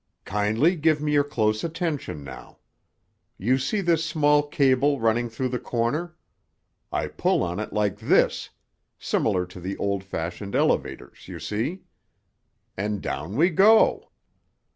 Kindly give me your close attention now. You see this small cable running through the corner? I pull on it like this—similar to the old fashioned elevators, you see. And down we go!"